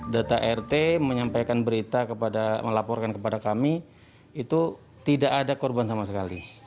data rt menyampaikan berita melaporkan kepada kami itu tidak ada korban sama sekali